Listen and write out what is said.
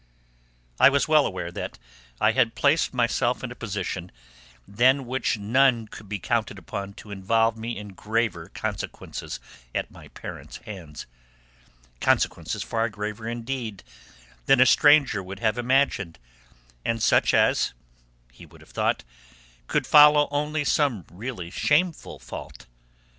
I was well aware that I had placed myself in a position than which none could be counted upon to involve me in graver consequences at my parents' hands; consequences far graver, indeed, than a stranger would have imagined, and such as (he would have thought) could follow only some really shameful fault.